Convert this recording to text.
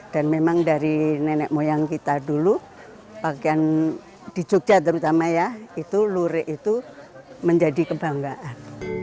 dan memang dari nenek moyang kita dulu di jogja terutama ya itu lurik itu menjadi kebanggaan